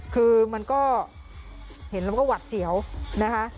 คือมันก็เห็นแล้วมันก็หวัดเสียวนะคะ